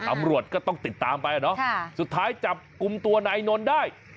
ตำรวจก็ต้องติดตามไปเนอะสุดท้ายจับกลุ่มตัวนายนนท์ได้